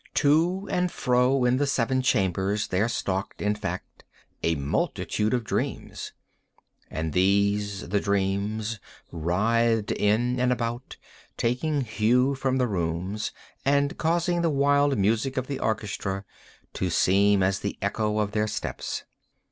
To and fro in the seven chambers there stalked, in fact, a multitude of dreams. And these—the dreams—writhed in and about, taking hue from the rooms, and causing the wild music of the orchestra to seem as the echo of their steps.